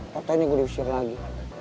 patahnya gue diusir lagi